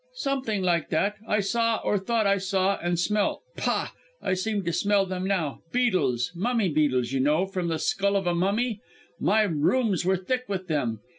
"Something like that. I saw, or thought I saw, and smelt pah! I seem to smell them now! beetles, mummy beetles, you know, from the skull of a mummy! My rooms were thick with them.